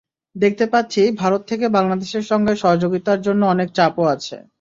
দেখতে পাচ্ছি ভারত থেকে বাংলাদেশের সঙ্গে সহযোগিতার জন্য অনেক চাপও আছে।